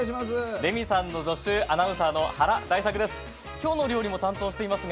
レミさんの助手アナウンサーの原大策です。